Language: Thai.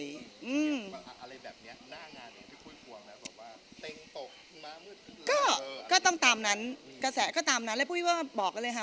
ตั้งตกมาเหมือนก็ต้องตามนั้นกระแสก็ตามนั้นแล้วพูดว่าบอกเลยค่ะ